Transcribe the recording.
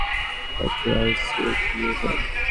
তাকে আইসিইউতে নিয়ে যাও।